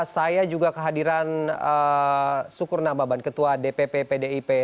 saya juga kehadiran sukur nababan ketua dpp pdip